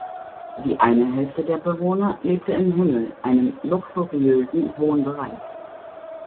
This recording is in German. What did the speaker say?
Die eine Hälfte der Bewohner lebte im „Himmel“, einem luxuriösen Wohnbereich.